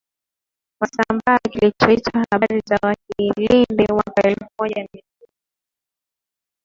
Wasambaa kilichoitwa Habari za Wakilindi mwaka elfumoja miatisa na tano